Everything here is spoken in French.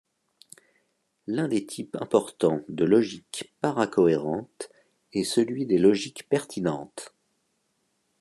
L'un des types importants de logique paracohérente est celui des logiques pertinentes.